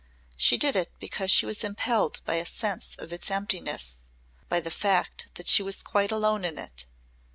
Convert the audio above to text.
She did it because she was impelled by a sense of its emptiness by the fact that she was quite alone in it.